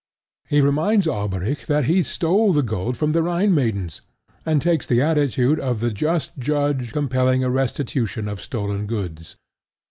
He reminds Alberic that he stole the gold from the Rhine maidens, and takes the attitude of the just judge compelling a restitution of stolen goods.